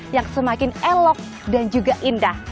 yang semakin elok dan juga indah